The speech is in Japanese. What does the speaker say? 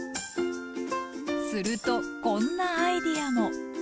するとこんなアイデアも。